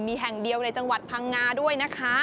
มีแห่งเดียวในจังหวัดพังงาด้วยนะคะ